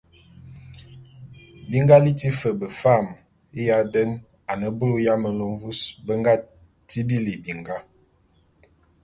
Bi nga liti fe befam ya den a ne bulu ya melu mvus be nga tibili binga.